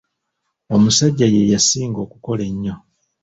Omusajja ye yasinga okukola ennyo.